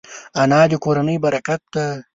انا د کورنۍ برکت ده